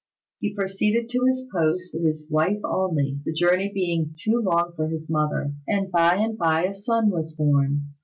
He proceeded to his post with his wife only, the journey being too long for his mother, and by and by a son was born.